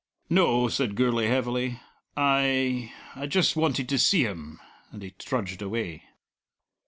"No," said Gourlay heavily. "I I just wanted to see him," and he trudged away.